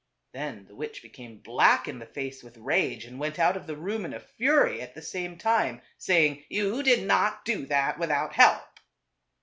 Then the witch became black in the face with rage and went out of the room in a fury, at the same time saying, "You did not do that without help."